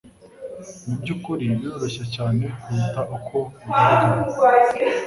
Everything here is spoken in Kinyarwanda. Mubyukuri biroroshye cyane kuruta uko bigaragara.